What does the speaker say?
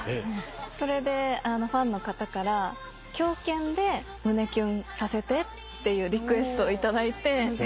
それでファンの方から「狂犬で胸キュンさせて」っていうリクエストをいただいて。